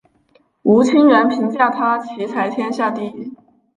吴清源评价他棋才天下第一。